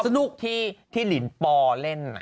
สนุกที่ลินปอเล่น